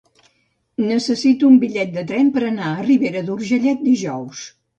Necessito un bitllet de tren per anar a Ribera d'Urgellet dijous.